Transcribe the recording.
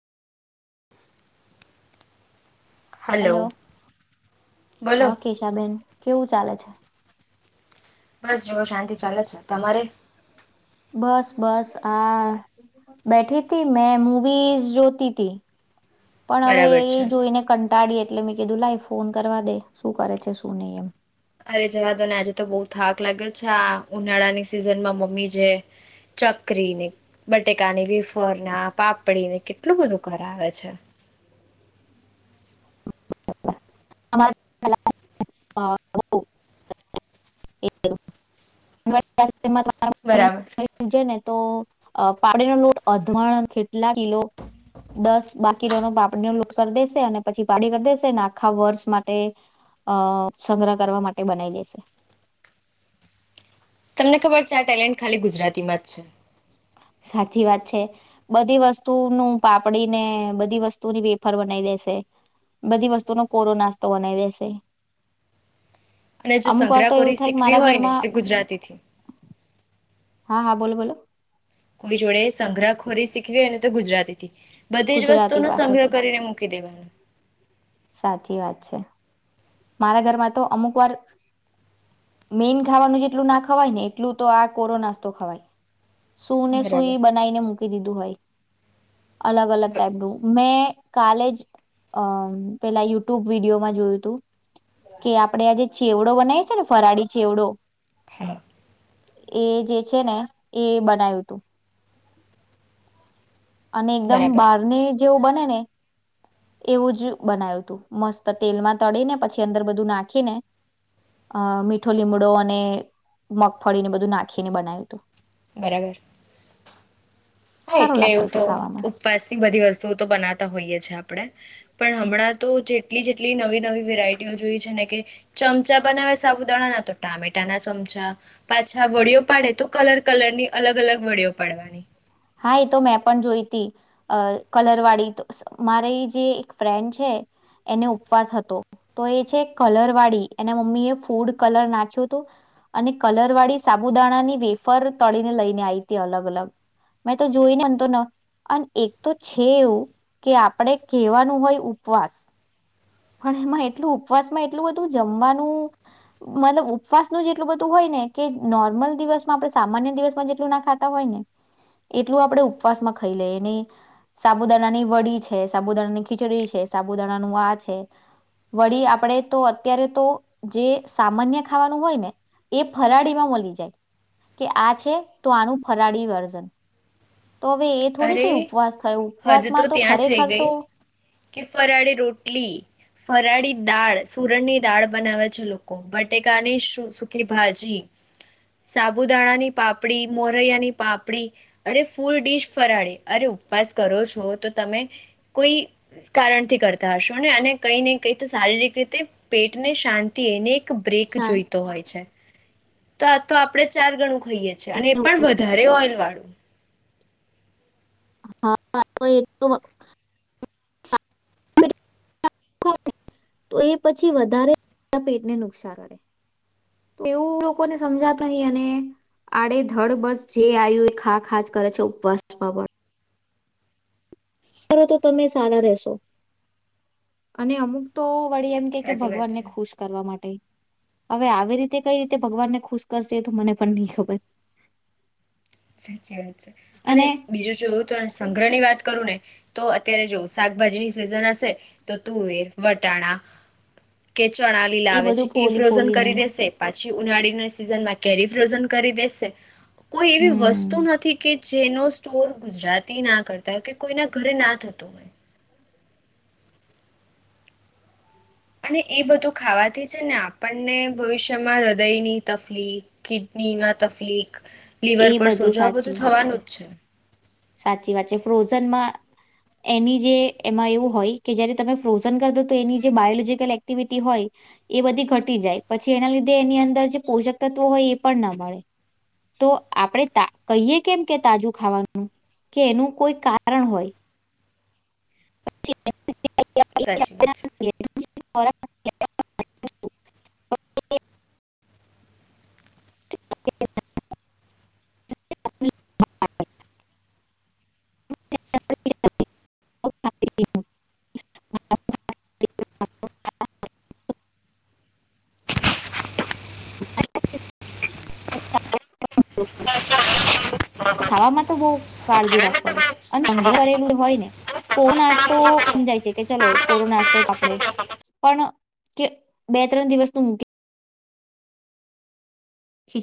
[inaudible] Hello બોલો હા કેશાબેન. કેવું ચાલે છે? બસ જુઓ શાંતિ ચાલે છે તમારે બસ બસ આ બેઠીથી મેં મુવીઝ જોતી તી. પણ હવે બરાબર એ છે જોઈને કં કટાડીએ એટલે મેં કીધું લાઈ ફોન કરવા દે શું કરે છે શું નહી એમ. અરે જવા દો ને આજે તો બહુ થાક લાગ્યો છે આ ઉનાળા ની સિઝન માં મમ્મી જે ચાકરીને બટ ટેકાની વેફરને પાપડીને કેટલું બધું કરાવે છે. [unintelligible] [unintelligible] તો બરાબર પાપડી નો લૂટ અધવાણ કેટલા કિલો દસ બાર કિલોનો પાપડી નો લૂટ કરી દેશે અને પછી પાપડી કરી દેશે નાખ આખા વર્ષ માટે અ સંગ્રહ કરવા માટે બનાવી લેશે. તમને ખબર છે આ ટેલેન્ટ ખાલી ગુજરાતીમાં જ છે. સાચી વાત છે બધી વસ્તુ નું પાપડીને બધી વસ્તુની પેફર બનાવી દેશે બધી વસ્તુનો કોરો નાસ્તો બનાવી દેશે. અને જો અમુક વાર તો એવું સંગ્રહખોરી થાય કે શીખવી મારા હોય ને તે ઘરમાં ગુજરાતીથી. હા હા બોલો બોલો. કોઈ જોડે સંગ્રહખોરી શીખવીને તો ગુજરાતી થી. બધી જ ગુજરાતી વસ્તુનો સંગ્રહ પાસેથી કરીને મૂકી દેવા. સાચી વાત છે મારા ઘરમાં તો અમુક વાર મેન ખાવાનું જેટલું ના ખવાય ને એટલું તો આ કોરોનાસ તો ખવાય. સુું ને બરાબર સુઈ બનાવીને મૂકી દીધું હોય. અલગ અલગ બ- ટાઈપનું મેં કલેજ અમ્મ પેલા યુટ્યુબ વિડીયોમાં જોયું તું કે આપડે આજે છેવડો બનાવી છે ને ફરાળી ચેવડો હમ્મ. એ જે છે ને એ બનાય્યું તું. અને એકદમ બરાબર બહારને જેવું બને ને એવું જ બનાવ્યું તું મસ્ત તેલમાં તળીને પછી અંદર બધું નાખીને અ મીઠો લીમડો અને મગફળીને બધું નાખીને બનાવ્યું તું. બરાબર. હ! સારું એટલે એવું લાગતું હતું તો ખાવામાં ઉપવાસ થી બધી વસ્તુઓ તો બનાવતા હોઈય છે. આપડે પણ હમણાં તો જે એટલી જેટલી નવી નવી વેરાયટીઓ જોઈ છે ને કે, ચમચા બનાવે સાબુદાણાના તો, ટામેટાના ચમચા પાછા, વડીઓ પાડે તો કલર કલરની અલગ અલગ વડીઓ પાડવાની. હા એ તો મેં પણ જોઈતી કલરવાળી, મારી જે એક ફ્રેન્ડ છે એને ઉપવાસ હતો. તો એ છે કલરવાળી એના મમ્મી એ ફૂડ કલર નાખ્યો હતો અને કલરવાળી સાબુદાણા ની વેફર તળીને લઈને આવી હતી અલગ અલગ. મેં તો જોઈને એમ તો, ન અને એક તો છે એવું કે, આપણે કહેવાનું હોય ઉપવાસ પણ એમાં એટલું ઉપવાસમાં એટલું બધું જમવાનું મતલબ ઉપવાસનું જ એટલું બધું હોય ને કે, નોર્મલ દિવસમાં આપણે સામાન્ય દિવસમાં જેટલું ના ખાતા હોય ને એટલું આપણે ઉપવાસમાં ખાઈ લઈએ એની સાબુદાણાની વડી છે, સાબુદાણા ની ખીચડી છે, સાબુદાણાનું આ છે વળી, આપણે તો અત્યારે તો જે સામાન્ય ખાવાનું હોય ને, એ ફરાળીમાં મળી જાય કે આ છે તો આનું ફરાળી વર્જન અરે હદ તો ત્યાં થઈ ખરેખર ગઈ તો કે ફરાળી રોટલી. ફરાળી દાળ, સુરણની દાળ બનાવે છે. લોકો બટેકાની સુખી ભાજી, સાબુદાણાની પાપડી, મોરૈયાની પાપડી અરે ફૂલ ડીશ ફરાળી અરે ઉપવાસ કરો છો, તો તમે કોઈ કારણથી કરતા હશો ને? અને કઈ ને કઈ તો શારીરિક રીતે પેટને શાંતિ એને બ્રેક સા જોઈતો હોય છે. તો આ તો આપડે ચારગણુ ખાઈએ છીએ, અને એ પણ વધારે ઓઇલ વાળું. હા હા તો એ તો [unintelligible] પછી વધારે પેટને નુકસાન કરે એવું લોકોને સમજાતુ નહી, અને આડેધડ બસ જે આવ્યું એ ખા ખા જ કરે છે ઉપવાસ માં પણ. કરો તો તમે સારા રેશો [unintelligible] અને અમુક તો વળી એમ કે, કે સાચી વાત ભગવાન ને છે ખુશ કરવા માટે. હવે આવી રીતે કઈ રીતે ભગવાનને ખુશ કરશે, એ તો મને પણ નહી ખબર. સાચી વાત છે, અને બીજું જોવું તો સંગ્રહ ની વાત કરું ને તો, અત્યારે જો શાકભાજીની સિઝન હશે તો તુવેર, વટાણા કે ચણા લીલા એ લાવે છે, બધું એ ફોલી ફ્રોઝન ફોલીને કરી દેશે. પછી, ઉનાળીના સિઝનમાં કેરી ફ્રોઝન કરી દેશે. કોઈ‌ એવી હમ વસ્તુ નથી કે જેનો સ્ટોર ગુજરાતી ના કરતા હોય કે, કોઈના ઘરે ના થતો હોય. અને એ બધું ખાવાથી છે ને, આપણને ભવિષ્યમાં હૃદયની તકલીફ, કિડનીમાં તકલીફ એ લીવર પર સોજા આ સાચી બધું વાત થવાનું જ છે. સાચી વાત છે. ફ્રોઝનમાં એની જે એમાં એવું હોય કે જયારે તમે ફ્રોઝન કર દો, તો એની જે બાયોલોજીકલ એક્ટિવિટી હોય, એ બધી ઘટી જાય પછી, એના લીધે એની અંદર જે પોષક તત્વો હોય, એ પણ ન મળે તો આપણે કહીએ કેમ કે તાજું ખાવાનું કે એનું કોઈ કારણ હોય. પછી સાચી વાત છે. [unintelligible] [inaudible] [inaudible] [inaudible] છે [unintelligible] ખાવામાં તો બહુ કાળજી રાખ પડે. અને સંગ્રહ કરલું હોય ને, કોણ સંગ્રહ આજ તો કરવાનું સમજાય છે કે ચલો કોરો નાસ્તો આપણેે જે પણ કે બે ત્રણ દિવસું મૂકી